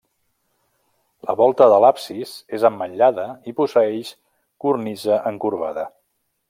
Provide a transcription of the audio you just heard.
La volta de l'absis és ametllada i posseeix cornisa encorbada.